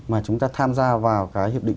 mà chúng ta tham gia vào cái hiệp định